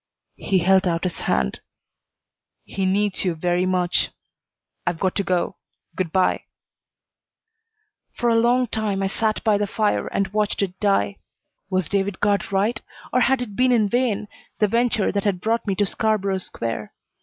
He held out his hand. "He needs you very much. I've got to go. Good by." For a long time I sat by the fire and watched it die. Was David Guard right, or had it been in vain, the venture that had brought me to Scarborough Square?